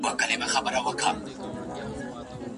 هوښيار انسانان د حديث په مفهوم څنګه پوهيږي؟